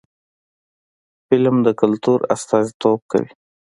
فلم د کلتور استازیتوب کوي